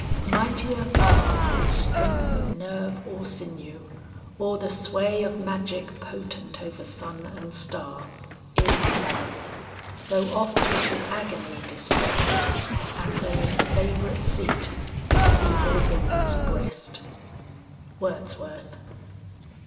"Mightier far Than strength of nerve or sinew, or the sway Of magic potent over sun and star, Is love, though oft to agony distrest, And though its favorite seat be feeble woman's breast." WORDSWORTH.